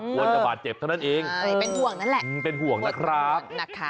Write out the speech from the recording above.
กลัวจะบาดเจ็บเท่านั้นเองเป็นห่วงนะครับ